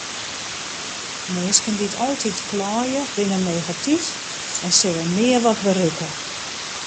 Minsken dy't altyd kleie binne negatyf en sille nea wat berikke.